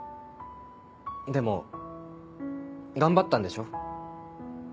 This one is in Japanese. でも頑張ったんでしょ？